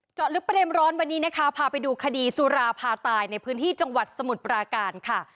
เจาะลึกประเด็นร้อนวันนี้นะคะพาไปดูคดีสุราพาตายในพื้นที่จังหวัดสมุทรปราการค่ะ